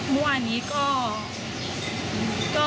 เมื่อวานนี้ก็